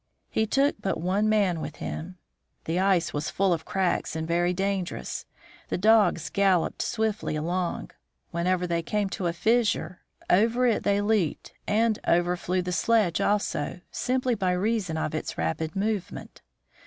He took but one man with him. The ice was full of cracks and very dangerous. The dogs galloped swiftly along ; whenever they came to a fissure, over it they leaped and over flew the sledge also, simply by reason of its rapid movement.